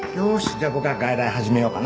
じゃあ僕は外来始めようかな。